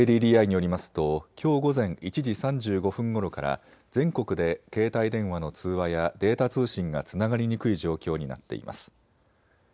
ＫＤＤＩによりますときょう午前１時３５分ごろから全国で携帯電話の通話やデータ通信がつながりにくい状況になっています。